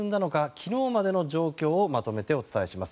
昨日までの状況をまとめてお伝えします。